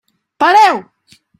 Pareu!